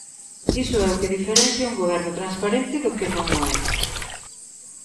Iso é o que diferencia un goberno transparente do que non o é.